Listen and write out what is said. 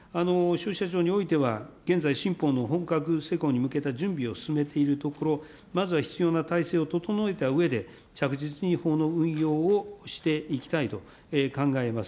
においては、現在、新法の本格施行に向けた準備を進めているところ、まずは必要な体制を整えたうえで、着実に法の運用をしていきたいと考えます。